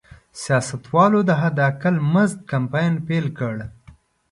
سیاستوالو د حداقل مزد کمپاین پیل کړ.